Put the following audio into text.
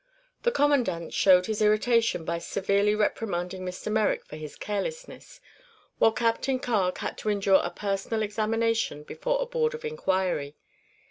The commandant showed his irritation by severely reprimanding Mr. Merrick for carelessness, while Captain Carg had to endure a personal examination before a board of inquiry.